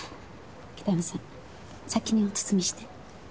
北山さん先にお包みして。